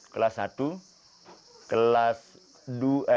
kelas yang ada di aiketrapa